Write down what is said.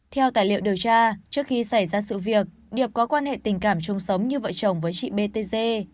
theo tài liệu điều tra trước khi xảy ra sự việc điệp có quan hệ tình cảm chung sống như vợ chồng với chị b t g